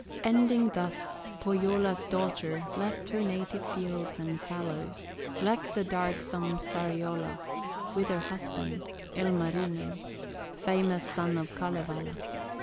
Ending thus, Pohyola's daughter Left her native fields and fallows, Left the darksome Sariola, With her husband, Ilmarinen, Famous son of Kalevala.